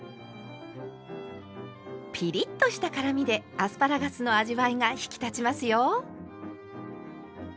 ピリッとした辛みでアスパラガスの味わいが引き立ちますよ。